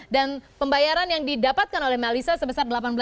dan pembayaran yang didapatkan oleh melissa sebesar delapan belas juta dolar amerika